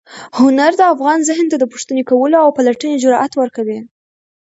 هنر د انسان ذهن ته د پوښتنې کولو او پلټنې جرات ورکوي.